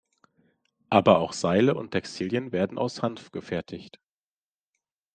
Aber auch Seile und Textilien werden aus Hanf gefertigt.